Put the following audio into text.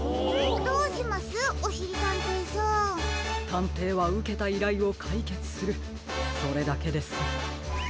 たんていはうけたいらいをかいけつするそれだけです。